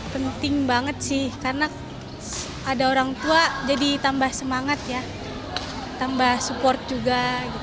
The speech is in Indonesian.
penting banget sih karena ada orang tua jadi tambah semangat ya tambah support juga